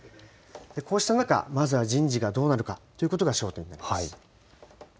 こうした中、まずは人事がどうなるかということが焦点になります。